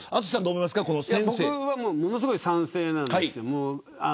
僕は、ものすごい賛成です。